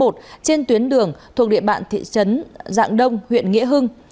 trên tuyến đường thuộc địa bản thị trấn dạng đông huyện nghĩa hưng